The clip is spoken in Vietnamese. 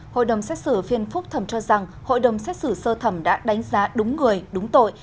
hội đồng xét xử phiên phúc thẩm cho rằng hội đồng xét xử sơ thẩm đã đánh giá đúng người đúng tội